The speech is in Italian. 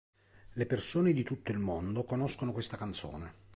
Le persone di tutto il mondo conoscono questa canzone.